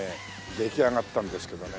出来上がったんですけどね。